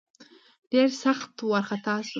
ډېر سخت وارخطا سو.